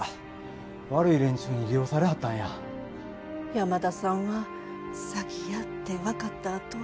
山田さんは詐欺やってわかったあとは。